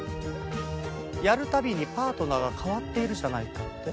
やるたびにパートナーが変わっているじゃないかって？